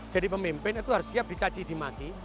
jadi pemimpin itu harus siap dicaci dimaki